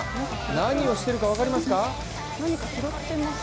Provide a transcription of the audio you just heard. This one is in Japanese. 何をしてるか分かりますか？